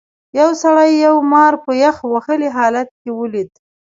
یو سړي یو مار په یخ وهلي حالت کې ولید.